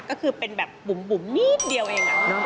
ก็คือเป็นแบบบุ๋มนิดเดียวเอง